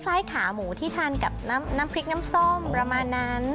คล้ายขาหมูที่ทานกับน้ำพริกน้ำส้มประมาณนั้น